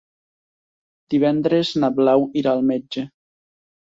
Divendres na Blau irà al metge.